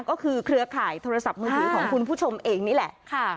ก็คือเครือข่ายโทรศัพท์มือถือของคุณผู้ชมเองนี่แหละ